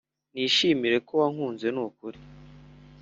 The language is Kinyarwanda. nishimire ko wankunze nukuri